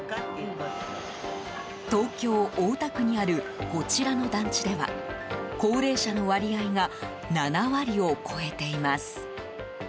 東京・大田区にあるこちらの団地では高齢者の割合が７割を超えています。